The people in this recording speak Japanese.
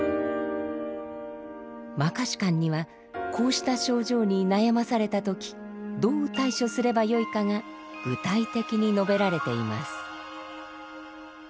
「摩訶止観」にはこうした症状に悩まされた時どう対処すればよいかが具体的に述べられています。